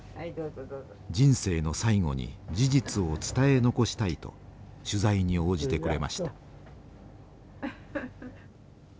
人生の最後に事実を伝え残したいと取材に応じてくれました。